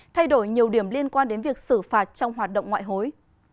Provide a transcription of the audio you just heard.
thay đổi nhiều điểm liên quan đến việc xử phạt trong hoạt động ngoại hối